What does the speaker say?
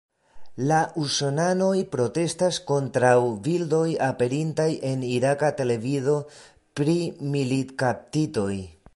La usonanoj protestas kontraŭ bildoj aperintaj en iraka televido pri militkaptitoj.